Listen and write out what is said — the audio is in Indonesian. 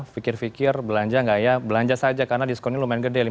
pikir pikir belanja nggak ya belanja saja karena diskonnya lumayan gede